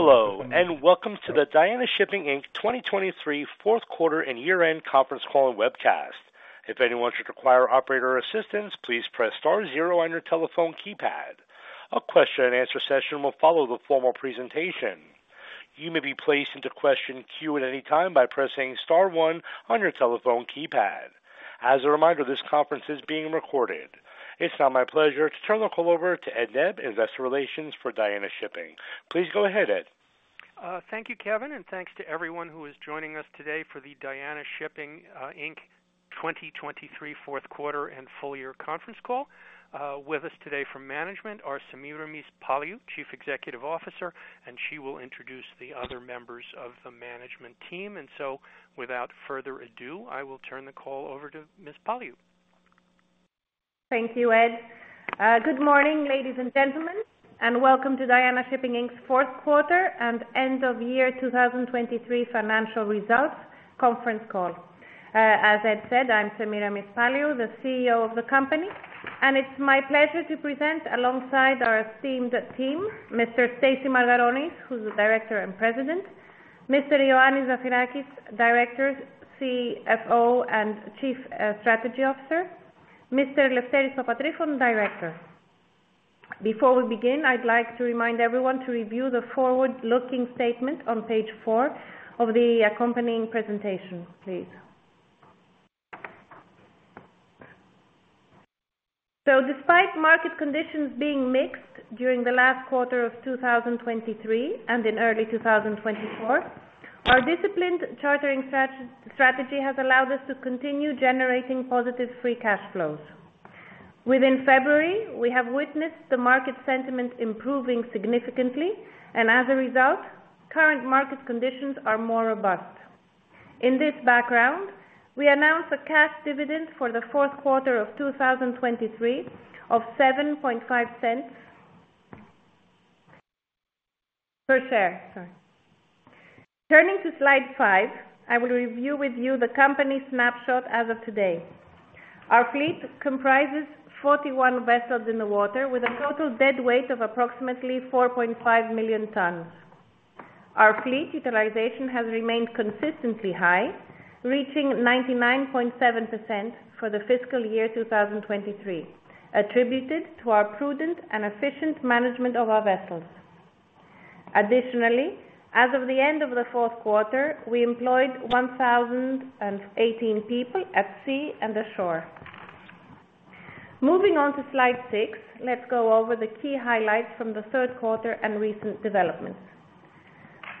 Hello and welcome to the Diana Shipping Inc. 2023 fourth quarter and year-end conference call and webcast. If anyone should require operator assistance, please press star 0 on your telephone keypad. A question-and-answer session will follow the formal presentation. You may be placed into question queue at any time by pressing star one on your telephone keypad. As a reminder, this conference is being recorded. It's now my pleasure to turn the call over to Ed Nebb, Investor Relations for Diana Shipping. Please go ahead, Ed. Thank you, Kevin, and thanks to everyone who is joining us today for the Diana Shipping, Inc. 2023 fourth quarter and full-year conference call. With us today from management are Semiramis Paliou, Chief Executive Officer, and she will introduce the other members of the management team. And so without further ado, I will turn the call over to Ms. Paliou. Thank you, Ed. Good morning, ladies and gentlemen, and welcome to Diana Shipping Inc.'s fourth quarter and end-of-year 2023 financial results conference call. As Ed said, I'm Semiramis Paliou, the CEO of the company, and it's my pleasure to present alongside our esteemed team, Mr. Anastasios C. Margaronis, who's the Director and President, Mr. Ioannis Zafirakis, Director, CFO, and Chief Strategy Officer, Mr. Eleftherios A. Papatryfon, Director. Before we begin, I'd like to remind everyone to review the forward-looking statement on page four of the accompanying presentation, please. So despite market conditions being mixed during the last quarter of 2023 and in early 2024, our disciplined chartering strategy has allowed us to continue generating positive free cash flows. Within February, we have witnessed the market sentiment improving significantly, and as a result, current market conditions are more robust. In this background, we announce a cash dividend for the fourth quarter of 2023 of $0.075 per share, sorry. Turning to slide five, I will review with you the company snapshot as of today. Our fleet comprises 41 vessels in the water with a total deadweight of approximately 4.5 million tons. Our fleet utilization has remained consistently high, reaching 99.7% for the fiscal year 2023, attributed to our prudent and efficient management of our vessels. Additionally, as of the end of the fourth quarter, we employed 1,018 people at sea and ashore. Moving on to slide six, let's go over the key highlights from the third quarter and recent developments.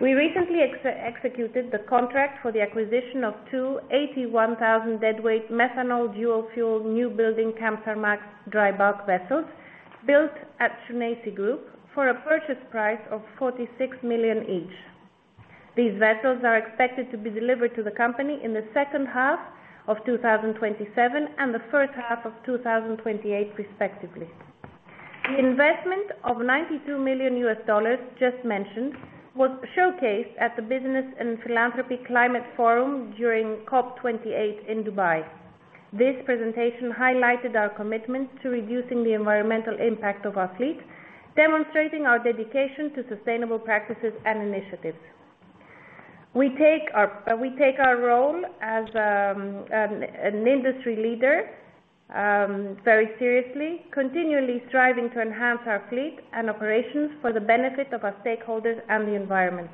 We recently executed the contract for the acquisition of two 81,000-deadweight methanol dual-fuel newbuilding Kamsarmax dry bulk vessels built at Tsuneishi Group for a purchase price of $46 million each. These vessels are expected to be delivered to the company in the second half of 2027 and the first half of 2028, respectively. The investment of $92 million just mentioned was showcased at the Business and Philanthropy Climate Forum during COP28 in Dubai. This presentation highlighted our commitment to reducing the environmental impact of our fleet, demonstrating our dedication to sustainable practices and initiatives. We take our role as an industry leader very seriously, continually striving to enhance our fleet and operations for the benefit of our stakeholders and the environment.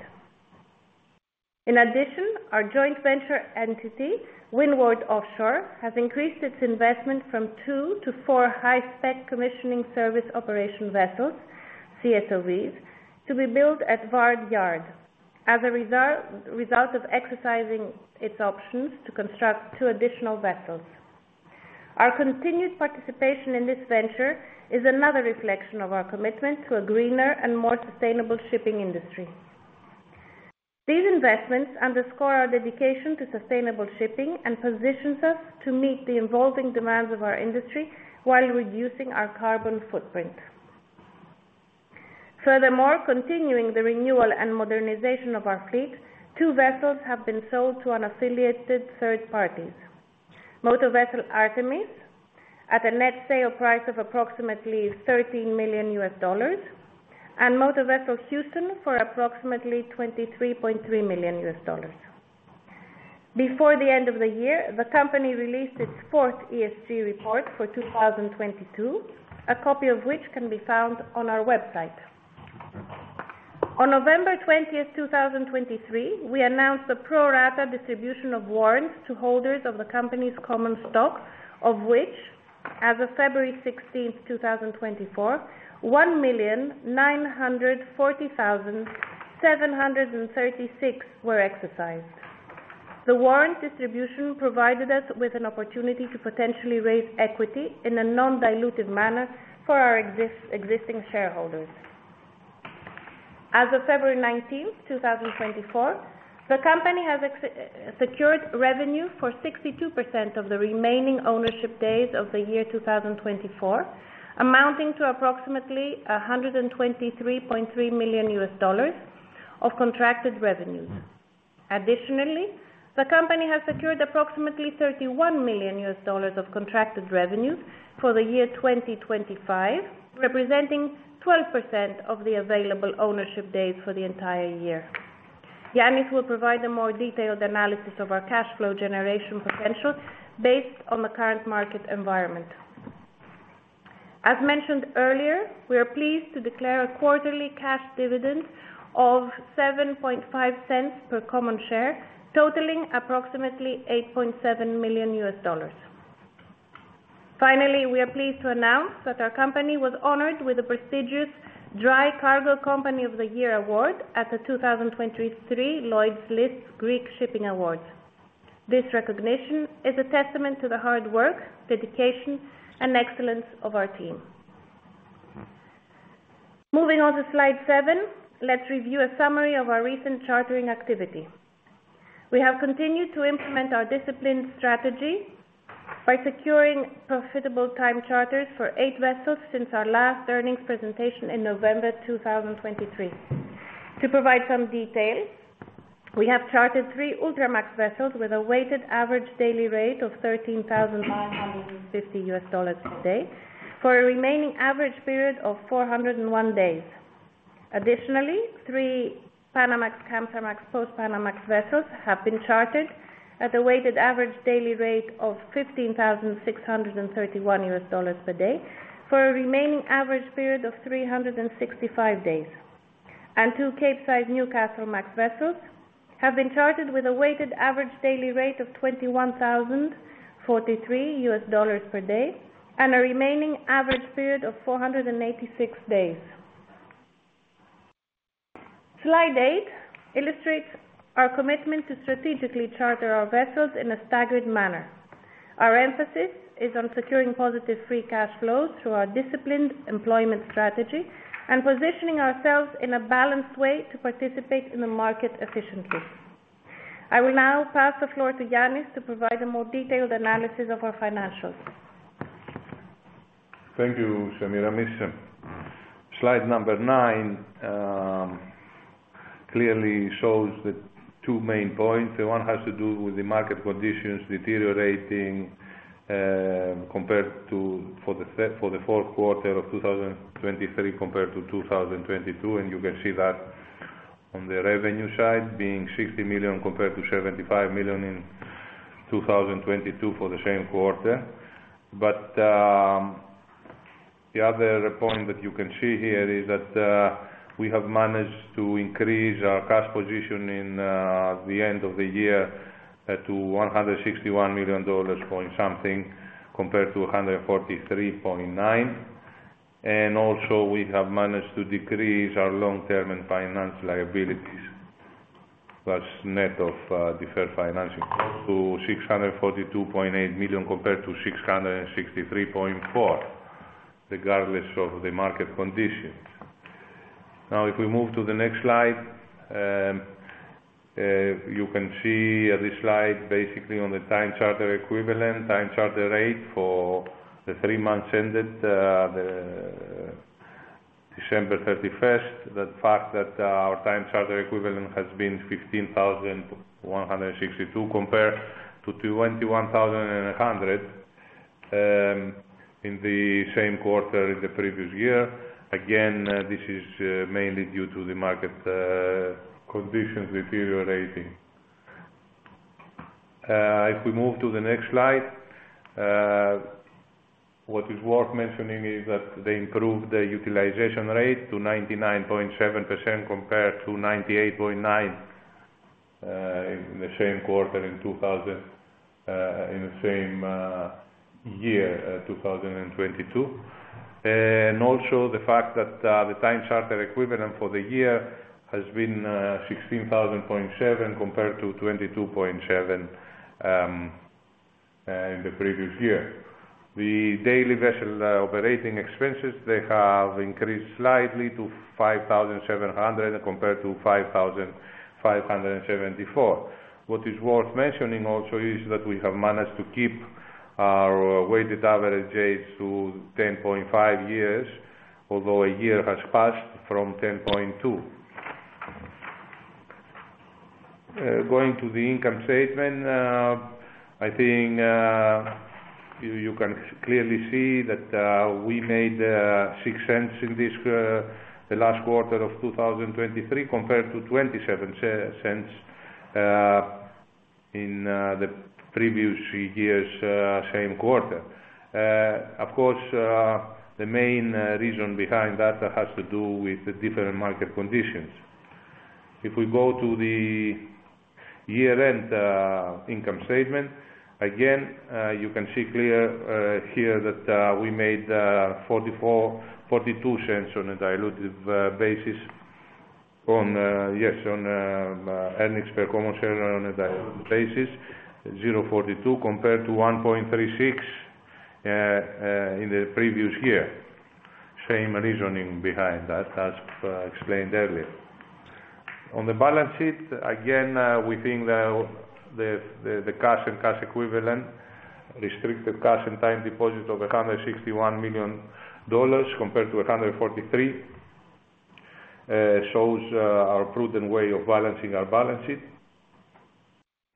In addition, our joint venture entity, Windward Offshore, has increased its investment from two to four high-spec commissioning service operation vessels, CSOVs, to be built at VARD as a result of exercising its options to construct two additional vessels. Our continued participation in this venture is another reflection of our commitment to a greener and more sustainable shipping industry. These investments underscore our dedication to sustainable shipping and positions us to meet the evolving demands of our industry while reducing our carbon footprint. Furthermore, continuing the renewal and modernization of our fleet, two vessels have been sold to unaffiliated third parties: Motor Vessel Artemis at a net sale price of approximately $13 million and Motor Vessel Houston for approximately $23.3 million. Before the end of the year, the company released its fourth ESG report for 2022, a copy of which can be found on our website. On November 20th, 2023, we announced a prorata distribution of warrants to holders of the company's common stock, of which, as of February 16th, 2024, 1,940,736 were exercised. The warrant distribution provided us with an opportunity to potentially raise equity in a non-dilutive manner for our existing shareholders. As of February 19th, 2024, the company has secured revenue for 62% of the remaining ownership days of the year 2024, amounting to approximately $123.3 million of contracted revenues. Additionally, the company has secured approximately $31 million of contracted revenues for the year 2025, representing 12% of the available ownership days for the entire year. Ioannis will provide a more detailed analysis of our cash flow generation potential based on the current market environment. As mentioned earlier, we are pleased to declare a quarterly cash dividend of $0.075 per common share, totaling approximately $8.7 million. Finally, we are pleased to announce that our company was honored with the prestigious Dry Cargo Company of the Year Award at the 2023 Lloyd's List Greek Shipping Awards. This recognition is a testament to the hard work, dedication, and excellence of our team. Moving on to slide seven, let's review a summary of our recent chartering activity. We have continued to implement our disciplined strategy by securing profitable time charters for eight vessels since our last earnings presentation in November 2023. To provide some detail, we have chartered three Ultramax vessels with a weighted average daily rate of $13,950 per day for a remaining average period of 401 days. Additionally, three Panamax Kamsarmax post-Panamax vessels have been chartered at a weighted average daily rate of $15,631 per day for a remaining average period of 365 days. Two Capesize Newcastlemax vessels have been chartered with a weighted average daily rate of $21,043 per day and a remaining average period of 486 days. Slide eight illustrates our commitment to strategically charter our vessels in a staggered manner. Our emphasis is on securing positive free cash flows through our disciplined employment strategy and positioning ourselves in a balanced way to participate in the market efficiently. I will now pass the floor to Ioannis to provide a more detailed analysis of our financials. Thank you, Semiramis. slide number nine clearly shows the two main points. The one has to do with the market conditions deteriorating, compared to for the fourth quarter of 2023 compared to 2022, and you can see that on the revenue side being $60 million compared to $75 million in 2022 for the same quarter. But the other point that you can see here is that we have managed to increase our cash position in the end of the year to $161 million point something compared to $143.9 million. And also we have managed to decrease our long-term and finance liabilities, plus net of deferred financing, to $642.8 million compared to $663.4 million, regardless of the market conditions. Now, if we move to the next slide, you can see at this slide, basically, on the time charter equivalent, time charter rate for the three months ended December 31st, the fact that, our time charter equivalent has been $15,162 compared to $21,100, in the same quarter in the previous year. Again, this is, mainly due to the market, conditions deteriorating. If we move to the next slide, what is worth mentioning is that they improved the utilization rate to 99.7% compared to 98.9%, in the same quarter in 2022. Also, the fact that, the time charter equivalent for the year has been, $16,000.7 compared to $22.7, in the previous year. The daily vessel, operating expenses, they have increased slightly to $5,700 compared to $5,574. What is worth mentioning also is that we have managed to keep our weighted average rates to 10.5 years, although a year has passed from 10.2. Going to the income statement, I think you can clearly see that we made $0.06 in the last quarter of 2023 compared to $0.27 in the previous year's same quarter. Of course, the main reason behind that has to do with the different market conditions. If we go to the year-end income statement, again, you can see clearly here that we made 0.44 0.42 cents on a diluted basis, yes, on earnings per common share on a diluted basis, $0.42 compared to $1.36 in the previous year. Same reasoning behind that, as explained earlier. On the balance sheet, again, we think that the cash and cash equivalent, restricted cash and time deposit of $161 million compared to $143 million shows our prudent way of balancing our balance sheet.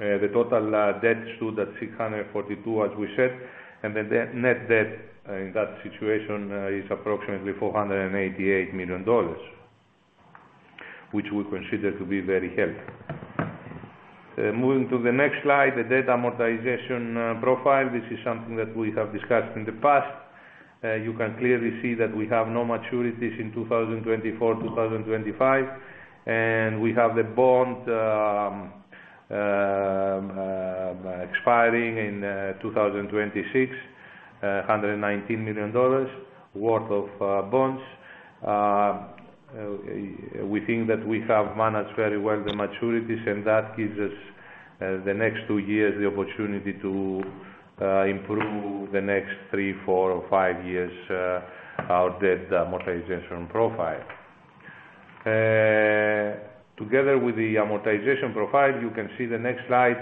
The total debt stood at $642 million, as we said, and the net debt in that situation is approximately $488 million, which we consider to be very healthy. Moving to the next slide, the debt amortization profile. This is something that we have discussed in the past. You can clearly see that we have no maturities in 2024, 2025, and we have the bond expiring in 2026, $119 million worth of bonds. We think that we have managed very well the maturities, and that gives us the next two years the opportunity to improve the next three, four, or five years our debt amortization profile. Together with the amortization profile, you can see the next slide,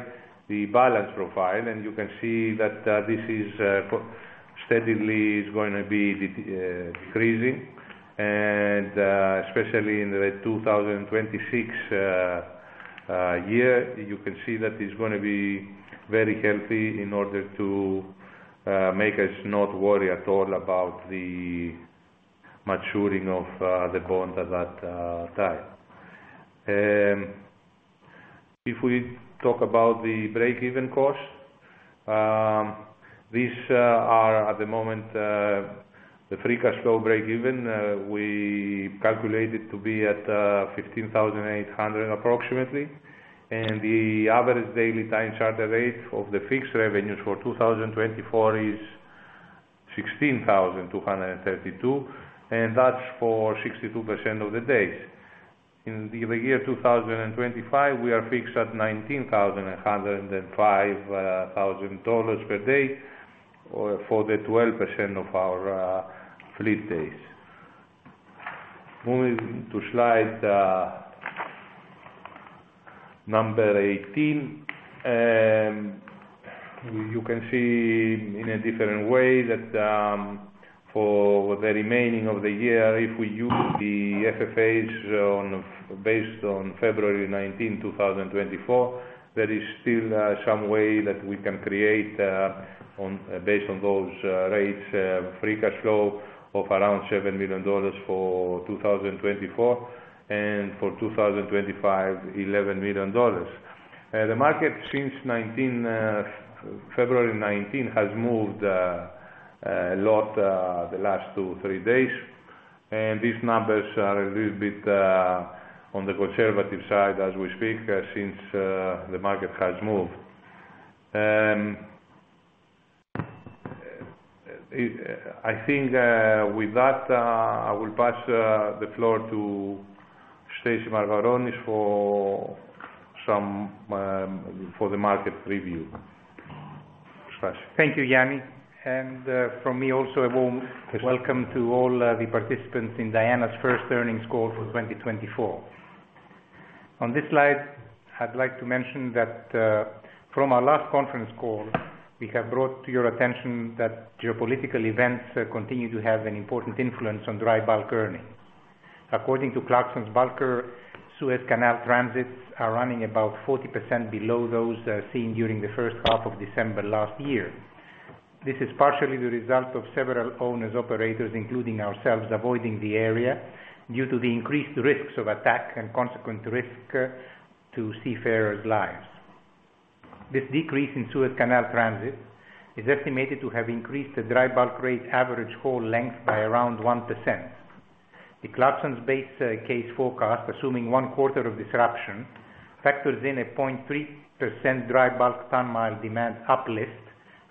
the balance profile, and you can see that this is steadily going to be decreasing. And especially in the 2026 year, you can see that it's going to be very healthy in order to make us not worry at all about the maturing of the bond at that time. If we talk about the breakeven cost, these are at the moment the free cash flow breakeven we calculated to be at approximately $15,800, and the average daily time charter rate of the fixed revenues for 2024 is $16,232, and that's for 62% of the days. In the year 2025, we are fixed at $19,105,000 per day for 12% of our fleet days. Moving to slide number 18, you can see in a different way that, for the remaining of the year, if we use the FFAs based on February 19th, 2024, there is still some way that we can create based on those rates free cash flow of around $7 million for 2024 and for 2025, $11 million. The market since February 19th has moved a lot, the last two, three days, and these numbers are a little bit on the conservative side as we speak since the market has moved. I think with that I will pass the floor to Anastasios C. Margaronis for the market review. Anastasios. Thank you, Ioannis. From me also, a warm welcome to all the participants in Diana's first earnings call for 2024. On this slide, I'd like to mention that, from our last conference call, we have brought to your attention that geopolitical events continue to have an important influence on dry bulk earnings. According to Clarksons Research, Suez Canal transits are running about 40% below those seen during the first half of December last year. This is partially the result of several owner-operators, including ourselves, avoiding the area due to the increased risks of attack and consequent risk to seafarers' lives. This decrease in Suez Canal transit is estimated to have increased the dry bulk rate average haul length by around 1%. The Clarksons-based case forecast, assuming one quarter of disruption, factors in a 0.3% dry bulk ton-mile demand uplift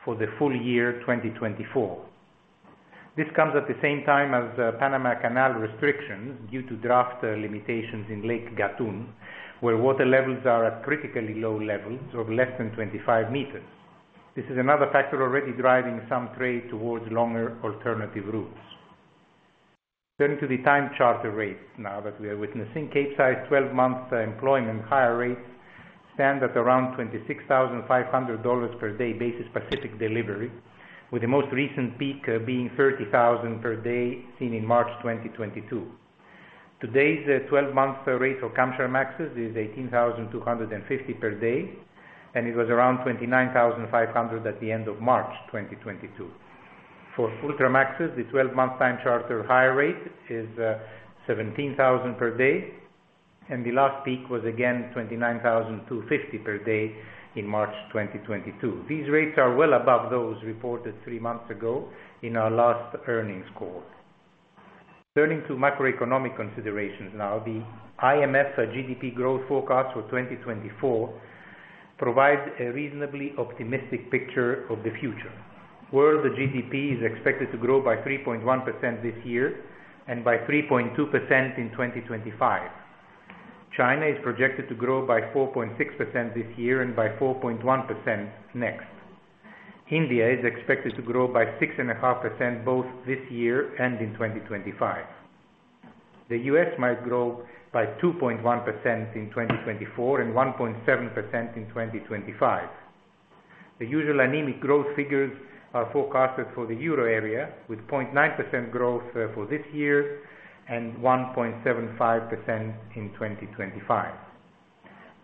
for the full year 2024. This comes at the same time as Panama Canal restrictions due to draft limitations in Lake Gatun, where water levels are at critically low levels of less than 25 meters. This is another factor already driving some trade towards longer alternative routes. Turning to the time charter rates now that we are witnessing, Capesize 12-month employment hire rates stand at around $26,500 per day basis Pacific delivery, with the most recent peak being $30,000 per day seen in March 2022. Today's 12-month rate for Kamsarmax is $18,250 per day, and it was around $29,500 at the end of March 2022. For Ultramax, the 12-month time charter hire rate is $17,000 per day, and the last peak was again $29,250 per day in March 2022. These rates are well above those reported three months ago in our last earnings call. Turning to macroeconomic considerations now, the IMF GDP growth forecast for 2024 provides a reasonably optimistic picture of the future. World GDP is expected to grow by 3.1% this year and by 3.2% in 2025. China is projected to grow by 4.6% this year and by 4.1% next. India is expected to grow by 6.5% both this year and in 2025. The U.S. might grow by 2.1% in 2024 and 1.7% in 2025. The usual anemic growth figures are forecasted for the Euro Area, with 0.9% growth for this year and 1.75% in 2025.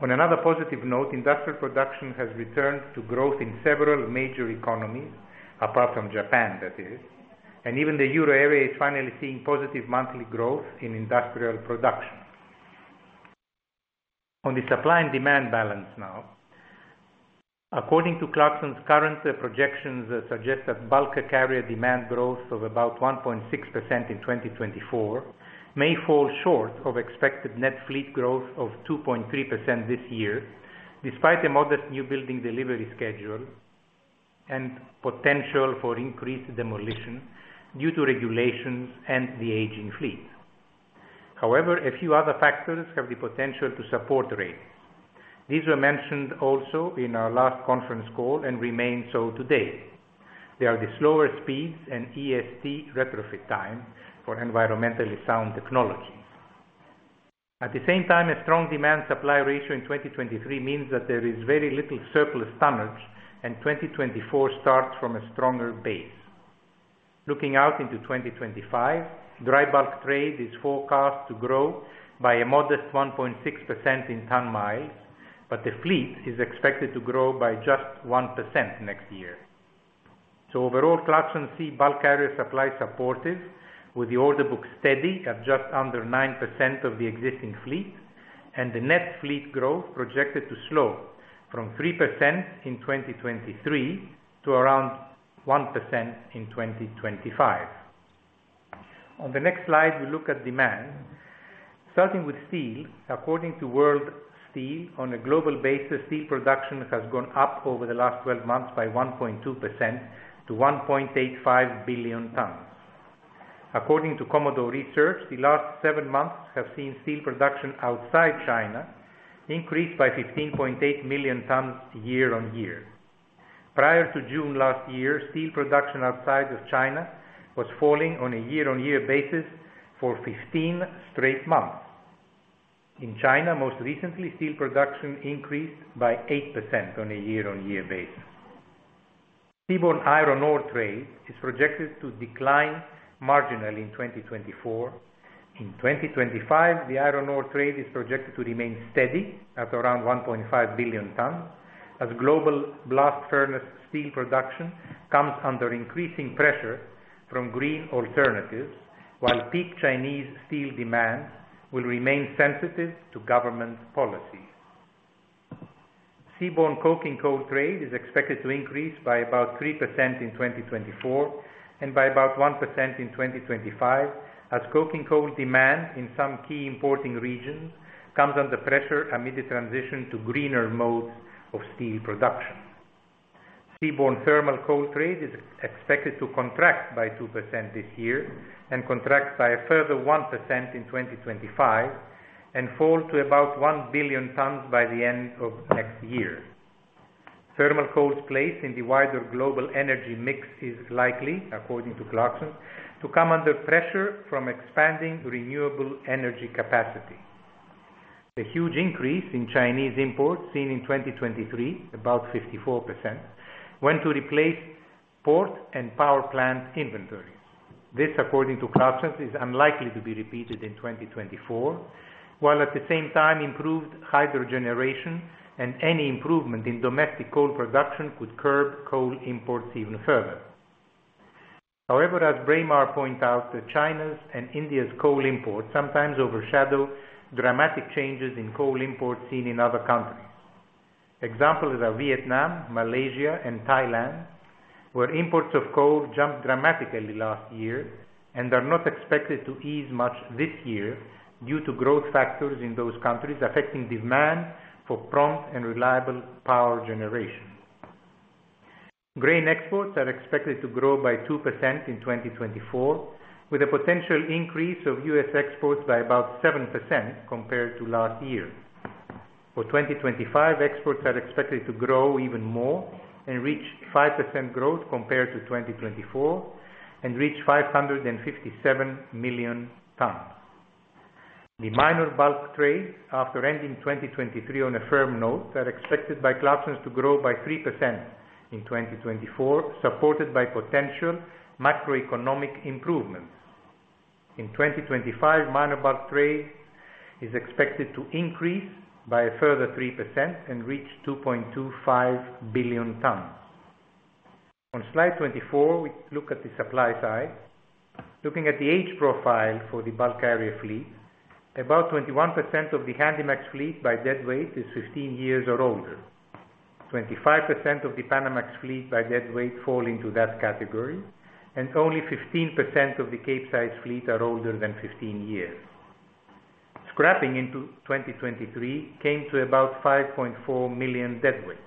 On another positive note, industrial production has returned to growth in several major economies, apart from Japan, that is, and even the Euro Area is finally seeing positive monthly growth in industrial production. On the supply and demand balance now, according to Clarksons' current projections, suggest that bulk carrier demand growth of about 1.6% in 2024 may fall short of expected net fleet growth of 2.3% this year, despite a modest newbuilding delivery schedule and potential for increased demolition due to regulations and the aging fleet. However, a few other factors have the potential to support rates. These were mentioned also in our last conference call and remain so today. They are the slower speeds and EST retrofit time for environmentally sound technologies. At the same time, a strong demand-supply ratio in 2023 means that there is very little surplus tonnage, and 2024 starts from a stronger base. Looking out into 2025, dry bulk trade is forecast to grow by a modest 1.6% in ton-miles, but the fleet is expected to grow by just 1% next year. So overall, Clarksons see bulk carrier supply supportive, with the order book steady at just under 9% of the existing fleet, and the net fleet growth projected to slow from 3% in 2023 to around 1% in 2025. On the next slide, we look at demand. Starting with steel, according to World Steel, on a global basis, steel production has gone up over the last 12 months by 1.2% to 1.85 billion tons. According to Commodore Research, the last seven months have seen steel production outside China increase by 15.8 million tons year-on-year. Prior to June last year, steel production outside of China was falling on a year-on-year basis for 15 straight months. In China, most recently, steel production increased by 8% on a year-on-year basis. Seaborne iron ore trade is projected to decline marginally in 2024. In 2025, the iron ore trade is projected to remain steady at around 1.5 billion tons, as global blast furnace steel production comes under increasing pressure from green alternatives while peak Chinese steel demand will remain sensitive to government policies. Seaborne coking coal trade is expected to increase by about 3% in 2024 and by about 1% in 2025, as coking coal demand in some key importing regions comes under pressure amid the transition to greener modes of steel production. Seaborne thermal coal trade is expected to contract by 2% this year and contract by a further 1% in 2025 and fall to about 1 billion tons by the end of next year. Thermal coal's place in the wider global energy mix is likely, according to Clarksons, to come under pressure from expanding renewable energy capacity. The huge increase in Chinese imports seen in 2023, about 54%, went to replace port and power plant inventories. This, according to Clarksons, is unlikely to be repeated in 2024, while at the same time, improved hydrogeneration and any improvement in domestic coal production could curb coal imports even further. However, as Braemar pointed out, China's and India's coal imports sometimes overshadow dramatic changes in coal imports seen in other countries. Examples are Vietnam, Malaysia, and Thailand, where imports of coal jumped dramatically last year and are not expected to ease much this year due to growth factors in those countries affecting demand for prompt and reliable power generation. Grain exports are expected to grow by 2% in 2024, with a potential increase of U.S. exports by about 7% compared to last year. For 2025, exports are expected to grow even more and reach 5% growth compared to 2024 and reach 557 million tons. The minor bulk trades, after ending 2023 on a firm note, are expected by Clarksons to grow by 3% in 2024, supported by potential macroeconomic improvements. In 2025, minor bulk trade is expected to increase by a further 3% and reach 2.25 billion tons. On slide 24, we look at the supply side. Looking at the age profile for the bulk carrier fleet, about 21% of the Handymax fleet by deadweight is 15 years or older. 25% of the Panamax fleet by deadweight fall into that category, and only 15% of the Capesize fleet are older than 15 years. Scrapping into 2023 came to about 5.4 million deadweight.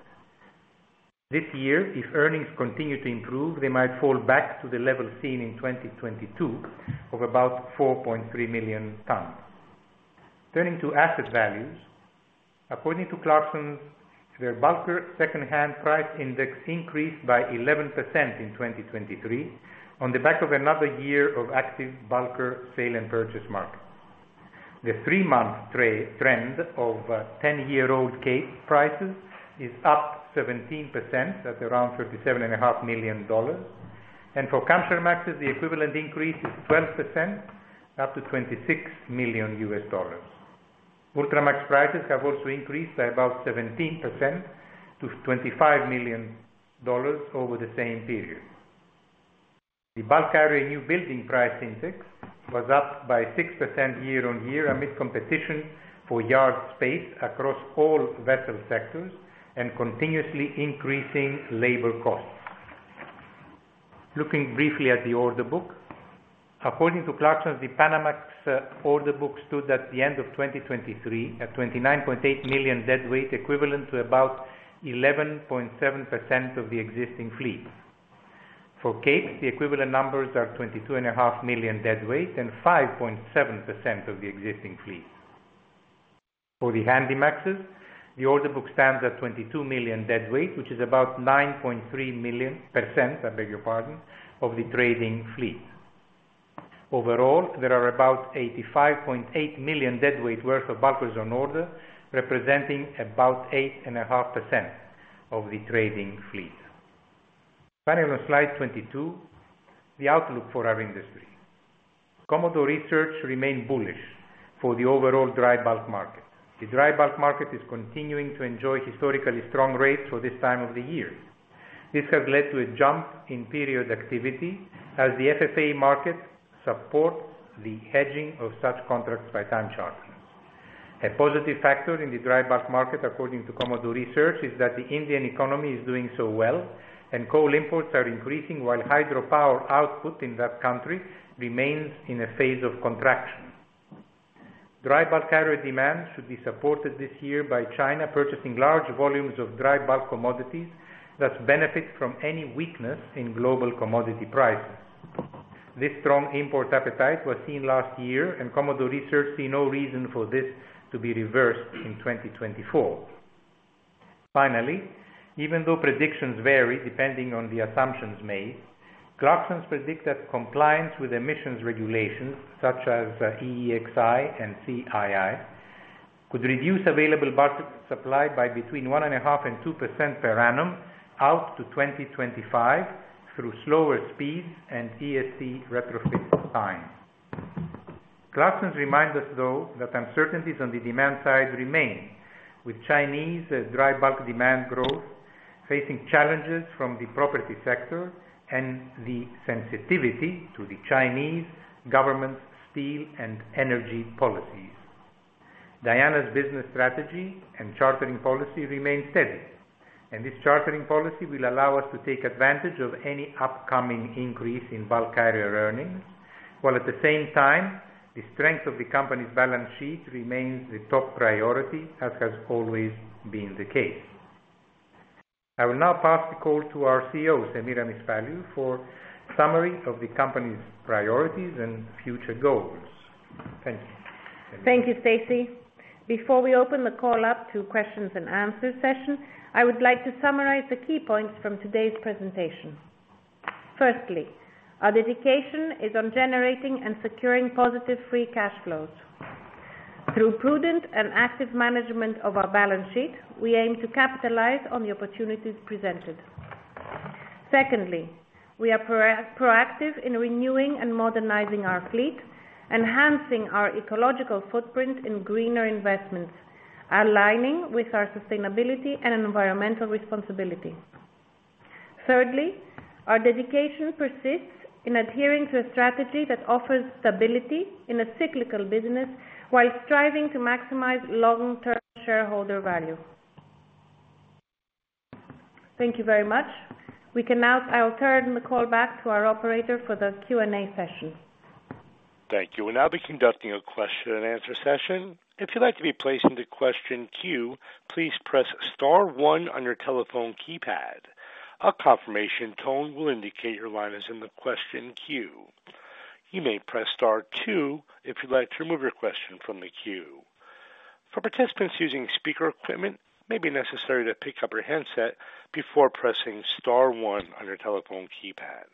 This year, if earnings continue to improve, they might fall back to the level seen in 2022 of about 4.3 million tons. Turning to asset values, according to Clarksons, their bulker secondhand price index increased by 11% in 2023 on the back of another year of active bulker sale and purchase markets. The three-month trend of 10-year-old Cape prices is up 17% at around $37.5 million, and for Kamsarmax, the equivalent increase is 12% up to $26 million. Ultramax prices have also increased by about 17% to $25 million over the same period. The bulk carrier new building price index was up by 6% year-on-year amid competition for yard space across all vessel sectors and continuously increasing labor costs. Looking briefly at the order book, according to Clarksons, the Panamax order book stood at the end of 2023 at 29.8 million deadweight, equivalent to about 11.7% of the existing fleet. For Cape, the equivalent numbers are 22.5 million deadweight and 5.7% of the existing fleet. For the Handymaxes, the order book stands at 22 million deadweight, which is about 9.3% I beg your pardon of the trading fleet. Overall, there are about 85.8 million deadweight worth of bulkers on order, representing about 8.5% of the trading fleet. Finally, on slide 22, the outlook for our industry. Commodore Research remained bullish for the overall dry bulk market. The dry bulk market is continuing to enjoy historically strong rates for this time of the year. This has led to a jump in period activity as the FFA market supports the hedging of such contracts by time charts. A positive factor in the dry bulk market, according to Commodore Research, is that the Indian economy is doing so well, and coal imports are increasing while hydropower output in that country remains in a phase of contraction. Dry bulk carrier demand should be supported this year by China purchasing large volumes of dry bulk commodities thus benefiting from any weakness in global commodity prices. This strong import appetite was seen last year, and Commodore Research see no reason for this to be reversed in 2024. Finally, even though predictions vary depending on the assumptions made, Clarksons predict that compliance with emissions regulations, such as EEXI and CII, could reduce available bulk supply by between 1.5%-2% per annum out to 2025 through slower speeds and EST retrofit time. Clarksons remind us, though, that uncertainties on the demand side remain, with Chinese dry bulk demand growth facing challenges from the property sector and the sensitivity to the Chinese government's steel and energy policies. Diana's business strategy and chartering policy remain steady, and this chartering policy will allow us to take advantage of any upcoming increase in bulk carrier earnings, while at the same time, the strength of the company's balance sheet remains the top priority, as has always been the case. I will now pass the call to our CEO, Semiramis Paliou, for a summary of the company's priorities and future goals. Thank you. Thank you, Stacy. Before we open the call up to a questions and answers session, I would like to summarize the key points from today's presentation. Firstly, our dedication is on generating and securing positive free cash flows. Through prudent and active management of our balance sheet, we aim to capitalize on the opportunities presented. Secondly, we are proactive in renewing and modernizing our fleet, enhancing our ecological footprint in greener investments, aligning with our sustainability and environmental responsibility. Thirdly, our dedication persists in adhering to a strategy that offers stability in a cyclical business while striving to maximize long-term shareholder value. Thank you very much. We can now. I will turn the call back to our operator for the Q&A session. Thank you. We'll now be conducting a question and answer session. If you'd like to be placed into question queue, please press star one on your telephone keypad. A confirmation tone will indicate your line is in the question queue. You may press star two if you'd like to remove your question from the queue. For participants using speaker equipment, it may be necessary to pick up your handset before pressing star one on your telephone keypad.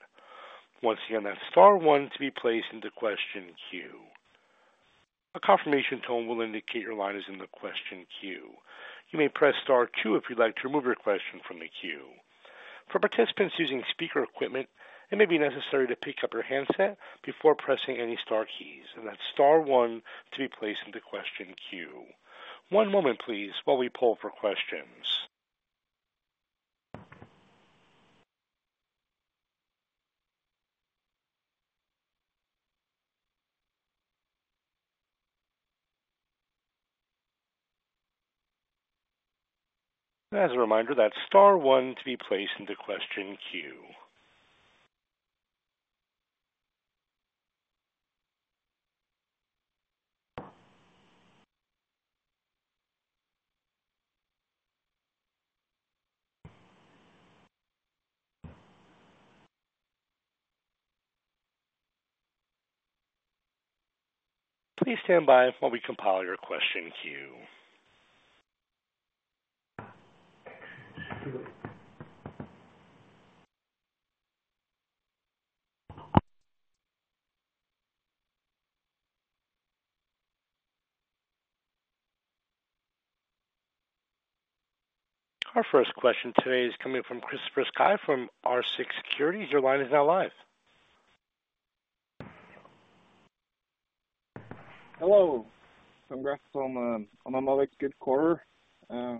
Once again, that's star one to be placed into question queue. A confirmation tone will indicate your line is in the question queue. You may press star two if you'd like to remove your question from the queue. For participants using speaker equipment, it may be necessary to pick up your handset before pressing any star keys, and that's star one to be placed into question queue. One moment, please, while we pull up our questions. As a reminder, that's star one to be placed into question queue. Please stand by while we compile your question queue. Our first question today is coming from Kristoffer Skeie from Arctic Securities. Your line is now live. Hello. I'm Kristoffer. On our first quarter, I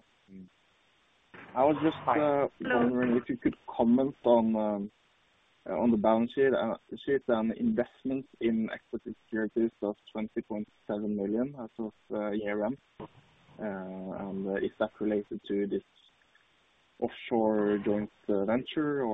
was just wondering if you could comment on the balance sheet and investments in equity securities of $20.7 million as of year-end. Is that related to this offshore joint venture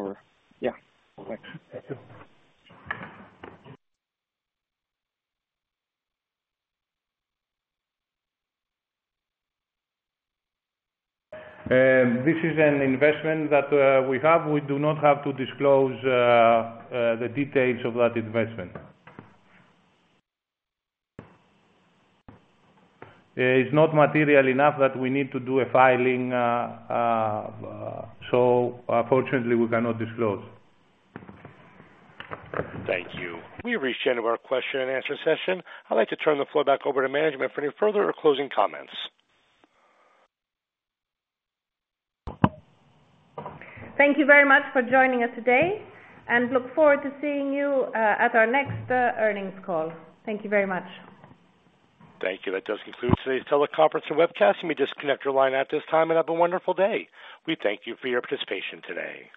or yeah. Thanks. This is an investment that we have. We do not have to disclose the details of that investment. It's not material enough that we need to do a filing, so fortunately, we cannot disclose. Thank you. We have reached the end of our question and answer session. I'd like to turn the floor back over to management for any further or closing comments. Thank you very much for joining us today, and look forward to seeing you at our next earnings call. Thank you very much. Thank you. That does conclude today's teleconference and webcast. You may disconnect your line at this time, and have a wonderful day. We thank you for your participation today.